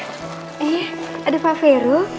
eh ada pak feru